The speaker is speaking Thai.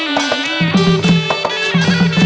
วู้วู้วู้